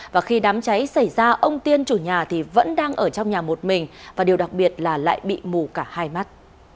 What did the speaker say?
và khi đám cháy xảy ra ông tiên chủ nhà thì vẫn đang ở trong nhà một mình và điều đặc biệt là lại bị mù cả hai mắt